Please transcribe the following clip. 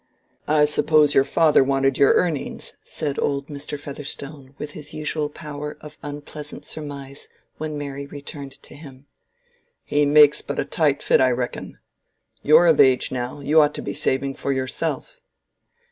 "I suppose your father wanted your earnings," said old Mr. Featherstone, with his usual power of unpleasant surmise, when Mary returned to him. "He makes but a tight fit, I reckon. You're of age now; you ought to be saving for yourself."